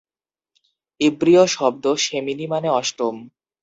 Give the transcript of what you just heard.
ইব্রীয় শব্দ "শেমীনী" মানে "অষ্টম।